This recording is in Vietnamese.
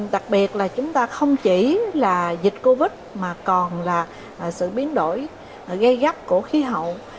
đặc biệt là chúng ta không chỉ là dịch covid mà còn là sự biến đổi gây gắt của khí hậu